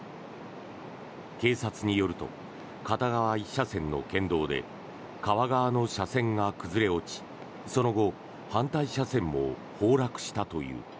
警察によると片側１車線の県道で川側の車線が崩れ落ちその後、反対車線も崩落したという。